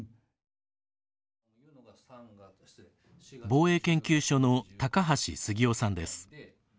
防衛研究所の橋杉雄さんです。